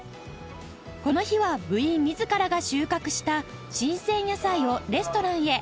この日は部員自らが収穫した新鮮野菜をレストランへ